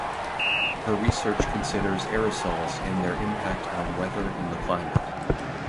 Her research considers aerosols and their impact on weather and the climate.